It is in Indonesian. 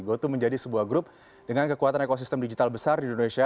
goto menjadi sebuah grup dengan kekuatan ekosistem digital besar di indonesia